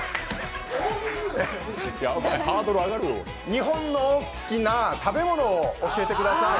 日本の好きな食べ物を教えてください。